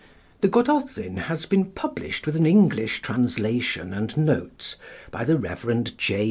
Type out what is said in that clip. The 'Gododin' has been published with an English translation and notes by the Rev. J.